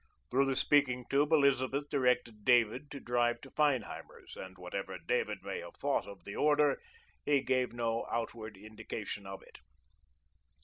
Through the speaking tube Elizabeth directed David to drive to Feinheimer's, and, whatever David may have thought of the order, he gave no outward indication of it.